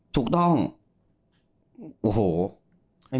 ถูกต้องโอ้โหไม่มีทาง